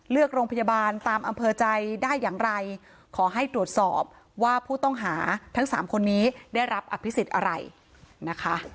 โรงพยาบาลตามอำเภอใจได้อย่างไรขอให้ตรวจสอบว่าผู้ต้องหาทั้งสามคนนี้ได้รับอภิษฎอะไรนะคะ